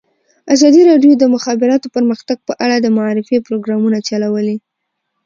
ازادي راډیو د د مخابراتو پرمختګ په اړه د معارفې پروګرامونه چلولي.